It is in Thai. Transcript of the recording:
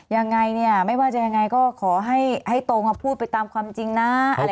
ยังไงเนี่ยไม่ว่าจะยังไงก็ขอให้ตรงพูดไปตามความจริงนะ